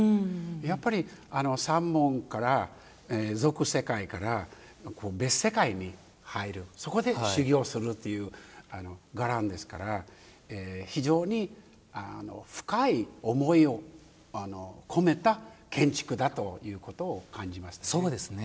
やっぱり、三門から俗世界から別世界に入るそこで修行をするという伽藍ですから非常に深い思いを込めたそうですね。